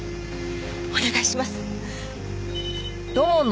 お願いします。